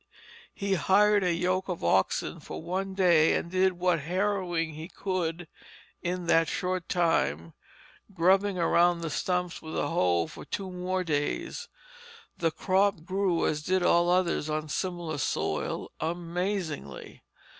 He hired a yoke of oxen for one day and did what harrowing he could in that short time, grubbing around the stumps with a hoe for two more days. The crop grew, as did all others on similar soil, amazingly.